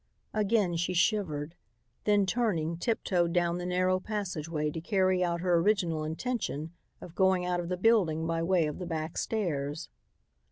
Again she shivered, then turning, tiptoed down the narrow passageway to carry out her original intention of going out of the building by way of the back stairs.